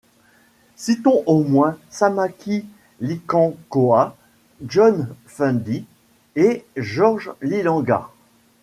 Citons au moins Samaki Likankoa, John Fundi et George Lilanga.